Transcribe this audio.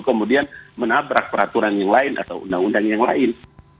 kemudian menabrak peraturan yang lain atau undang undang yang lain